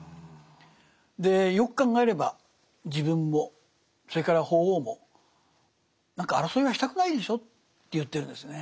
でよく考えれば自分もそれから法皇も何か争いはしたくないでしょうと言ってるんですね。